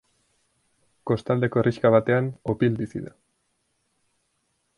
Kostaldeko herrixka batean Opil bizi da.